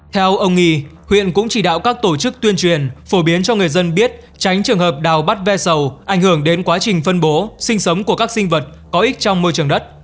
theo ông nghi huyện cũng chỉ đạo các tổ chức tuyên truyền phổ biến cho người dân biết tránh trường hợp đào bắt ve sầu ảnh hưởng đến quá trình phân bố sinh sống của các sinh vật có ích trong môi trường đất